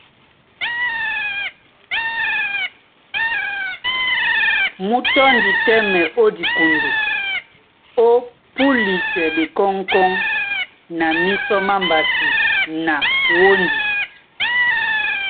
Mú tɔ́ndi tɛ́mɛ ó dikundu, ó púlisɛ ɓekɔ́ŋkɔ́ŋ na mísɔ má mbasi na wóndi.